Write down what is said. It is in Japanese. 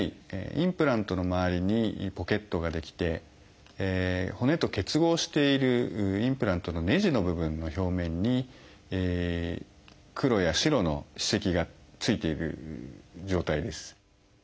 インプラントの周りにポケットが出来て骨と結合しているインプラントのねじの部分の表面に黒や白の歯石がついている状態です。